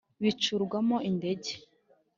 bicurwamo indege,